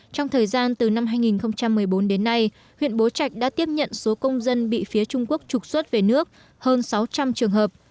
trong thời gian từ năm hai nghìn một mươi bốn đến nay huyện bố trạch đã tiếp nhận số công dân bị phía trung quốc trục xuất về nước hơn sáu trăm linh trường hợp